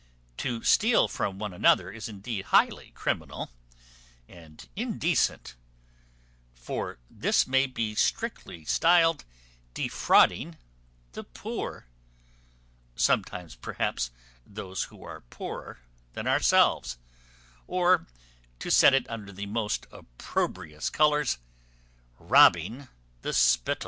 To steal from one another is indeed highly criminal and indecent; for this may be strictly stiled defrauding the poor (sometimes perhaps those who are poorer than ourselves), or, to set it under the most opprobrious colours, robbing the spittal.